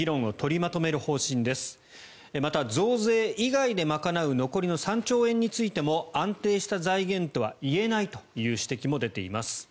また、増税以外で賄う残りの３兆円についても安定した財源とはいえないという指摘も出ています。